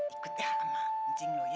ikut ya sama cing lo ya